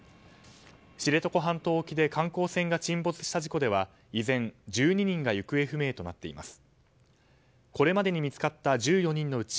知床半島沖で観光船が沈没した事故では依然１２人が行方不明となっています。